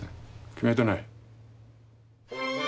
決めてない？